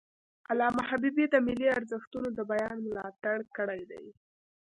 علامه حبیبي د ملي ارزښتونو د بیان ملاتړ کړی دی.